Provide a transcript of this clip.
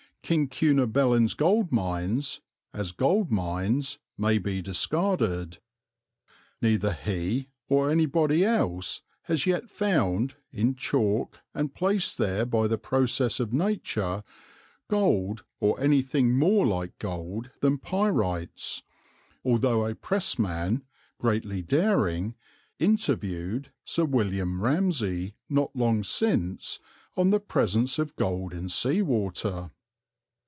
King Cunobelin's Gold Mines, as gold mines, may be discarded. Neither he or anybody else has yet found, in chalk and placed there by the process of nature, gold, or anything more like gold than pyrites, although a Press man, greatly daring, "interviewed" Sir William Ramsay not long since on the presence of gold in sea water.